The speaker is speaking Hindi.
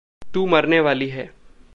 तू मरने वाली है।